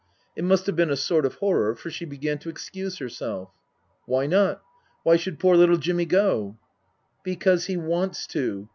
It must have been a sort of horror, for she began to excuse herself. " Why not ? Why should poor little Jimmy go ?"" Because he wants to.